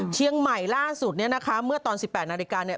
เชียงใหม่ล่าสุดเนี่ยนะคะเมื่อตอน๑๘นาฬิกาเนี่ย